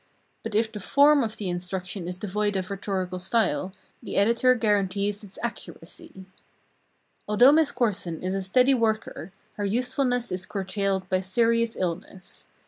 But if the form of the instruction is devoid of rhetorical style, the editor guarantees its accuracy. Although Miss Corson is a steady worker, her usefulness is curtailed by serious illness.